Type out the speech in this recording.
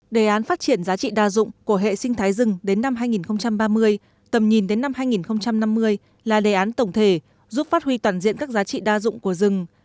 đề án phát triển giá trị đa dụng của hệ sinh thái rừng đến năm hai nghìn ba mươi tầm nhìn đến năm hai nghìn năm mươi là đề án tổng thể giúp phát huy toàn diện các giá trị đa dụng của rừng